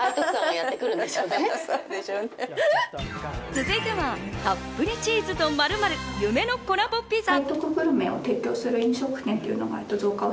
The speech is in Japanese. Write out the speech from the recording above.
続いては、たっぷりチーズと○○、夢のコラボピザ。